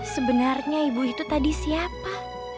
sebenarnya ibu itu tadi siapa